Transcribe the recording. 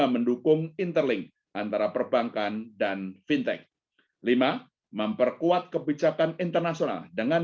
mendukung interling antara perbankan dan fintech lima memperkuat kebijakan internasional dengan